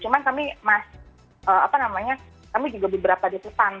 cuma kami mas apa namanya kami juga beberapa detesan